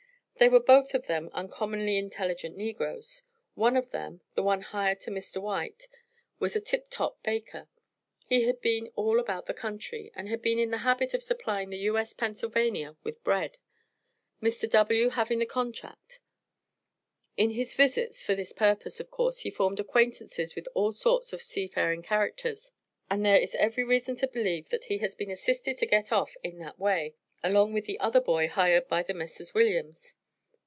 They were both of them uncommonly intelligent negroes. One of them, the one hired to Mr. White, was a tip top baker. He had been all about the country, and had been in the habit of supplying the U.S. Pennsylvania with bread; Mr. W. having the contract. In his visits for this purpose, of course, he formed acquaintances with all sorts of sea faring characters; and there is every reason to believe that he has been assisted to get off in that way, along with the other boy, hired to the Messrs. Williams.